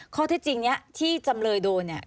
ข้อเท็จจริงนี้ที่จำเลยโดนเนี่ย